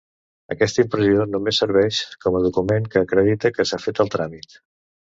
Aquesta impressió només serveix com a document que acredita que s'ha fet el tràmit.